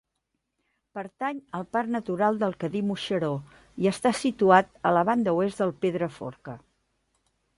Pertany al Parc Natural del Cadí-Moixeró i està situat a la banda oest del Pedraforca.